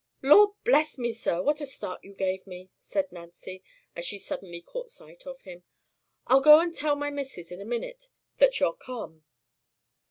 "Lord bless me, sir! what a start you gave me!" said Nancy, as she suddenly caught sight of him. "I'll go and tell my missus in a minute that you're come."